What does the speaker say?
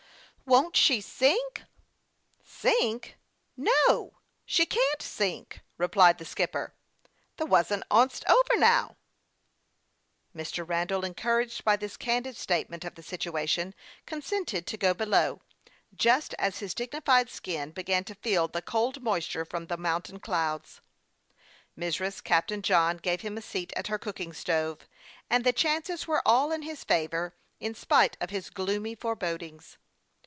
"Won't she sink?"' " Sink ? no ; she can't sink," replied the skipper. " The wu'st on't 's over now." Mr. Randall, encouraged by this candid statement of the situation, consented to go below, just as his dignified skin began to feel the cold moisture from the mountain clouds. Mrs. Captain John gave him a seat at her cooking stove, and the chances were all in his favor, in spite of his gloomy forebod ings.